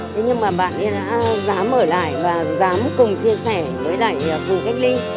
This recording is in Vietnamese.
thế nhưng mà bạn ấy đã dám mở lại và dám cùng chia sẻ với lại vùng cách ly